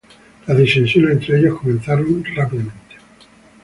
Las disensiones entre ellos comenzaron de inmediato.